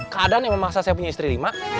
keadaan yang memang saya punya istri lima